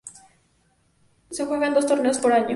Se juegan dos torneos por año.